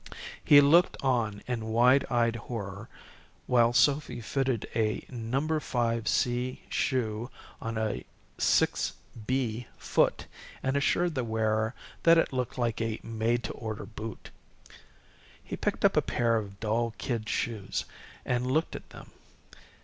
He looked on in wide eyed horror while Sophy fitted a No. 5 C shoe on a 6 B foot and assured the wearer that it looked like a made to order boot. He picked up a pair of dull kid shoes and looked at them.